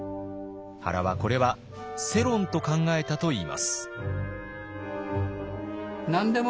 原はこれは世論と考えたといいます。